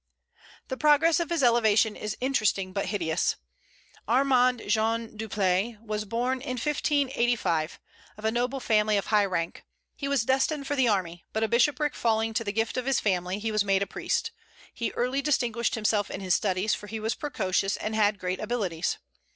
The progress of his elevation is interesting, but hideous. Armand Jean Duplessis was born in 1585, of a noble family of high rank. He was designed for the army, but a bishopric falling to the gift of his family, he was made a priest. He early distinguished himself in his studies, for he was precocious and had great abilities.